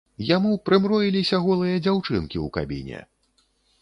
Яму прымроіліся голыя дзяўчынкі ў кабіне!